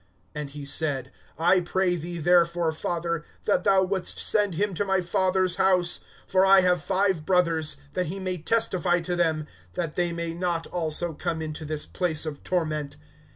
(27)And he said: I pray thee therefore, father, that thou wouldst send him to my father's house. (28)For I have five brothers; that he may testify to them, that they may not also come into this place of torment.